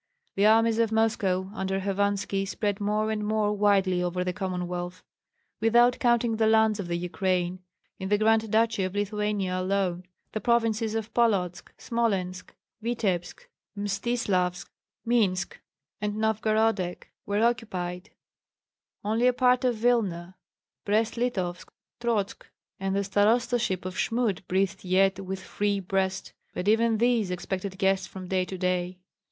The armies of Moscow under Hovanski spread more and more widely over the Commonwealth. Without counting the lands of the Ukraine, in the Grand Duchy of Lithuania alone, the provinces of Polotsk, Smolensk, Vitebsk, Mstislavsk, Minsk, and Novgorodek were occupied; only a part of Vilna, Brest Litovsk, Trotsk, and the starostaship of Jmud breathed yet with free breast, but even these expected guests from day to day.